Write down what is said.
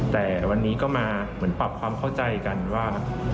แต่วันนี้ก็มาเหมือนปรับความเข้าใจกันว่า